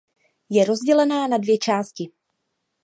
Je rozdělená na dvě části.